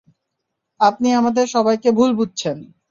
আপনি আমাদের সবাইকে ভুল বুঝছেন!